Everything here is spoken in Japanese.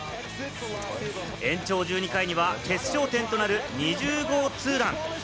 延長１２回には決勝点となる２０号ツーラン！